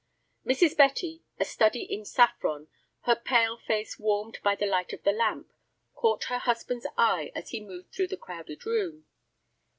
Mrs. Betty, a study in saffron, her pale face warmed by the light of the lamp, caught her husband's eye as he moved through the crowded room.